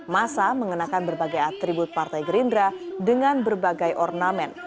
masa mengenakan berbagai atribut partai gerindra dengan berbagai ornamen